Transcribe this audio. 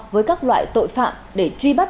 với các loại tội phạm để truy bắt